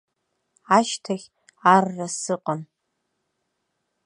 Ашьҭахь арра сыҟан.